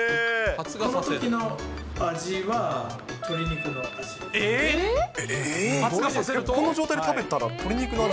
このときの味は、鶏肉の味。